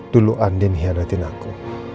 dulu andi mengkhianatin aku